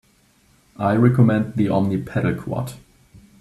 I recommend the Omni pedal Quad.